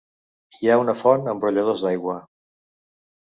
Hi ha una font amb brolladors d'aigua.